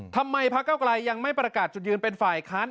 ทำไมภาคกล้าวไกรยังไม่ประกาศจุดยืนเป็นฝ่ายค้าน